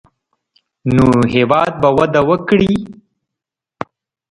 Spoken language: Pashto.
نو هېواد به وده وکړي.